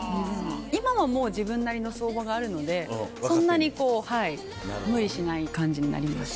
今はもう自分なりの相場があるのでそんなにこう無理しない感じになりました。